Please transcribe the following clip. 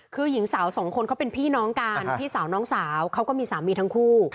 คือหญิงสาวสองคนเขาเป็นพี่น้องกันพี่สาวน้องสาวเขาก็มีสามีทั้งคู่